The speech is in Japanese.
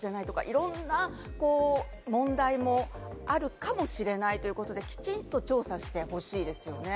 いろんな問題もあるかもしれないということで、きちんと調査してほしいですね。